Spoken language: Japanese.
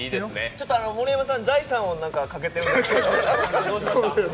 ちょっと盛山さん、財産をかけてるんですけど。